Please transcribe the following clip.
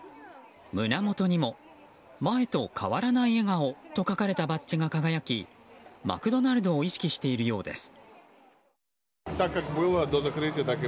胸元にも「前と変わらない笑顔」と書かれたバッジが輝きマクドナルドを意識しているようです。